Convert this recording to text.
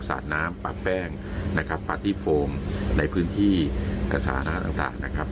สาดน้ำปลาแป้งปลาที่โฟมในพื้นที่กระสานาต่างนะครับ